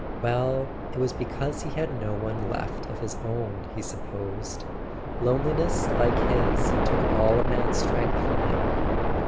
Well—it was because he had no one left of his own, he supposed. Loneliness like his took all a man's strength from him.